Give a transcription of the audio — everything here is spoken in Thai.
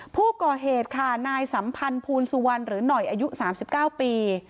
ผู้ก่อเหตุค่ะนายสัมพันธ์ภูลสุวรรณหรือหน่อยอายุ๓๙ปี